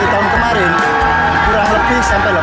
setiap tahun kemarin kurang lebih sampai delapan pengunjung